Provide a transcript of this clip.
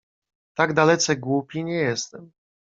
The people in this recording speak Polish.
"Tak dalece głupi nie jestem."